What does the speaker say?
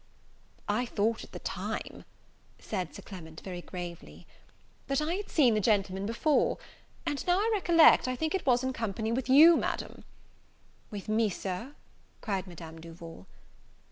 "I thought at the time," said Sir Clement, very gravely, "that I had seen the gentleman before; and now I recollect, I think it was in company with you, Madame." "With me, Sir?" cried Madame Duval.